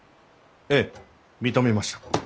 ええ認めました。